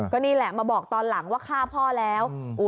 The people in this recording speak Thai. ก็นี่แหละมาบอกตอนหลังว่าฆ่าพ่อแล้ว